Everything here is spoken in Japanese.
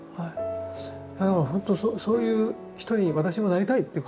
でもほんと「そういう人に私もなりたい」っていう。